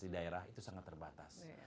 di daerah itu sangat terbatas